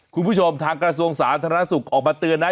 คุณผู้ชมทางกระทรวงสาธารณสุขออกมาเตือนนะ